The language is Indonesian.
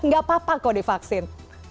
nggak apa apa kok divaksin